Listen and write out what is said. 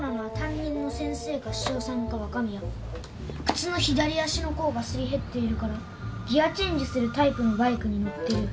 靴の左足の甲がすり減っているからギアチェンジするタイプのバイクに乗ってる。